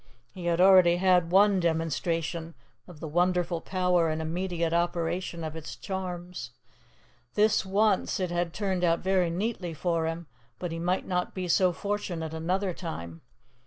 He had already had one demonstration of the wonderful power and immediate operation of its charms. This once, it had turned out very neatly for him, but he might not be so fortunate another time.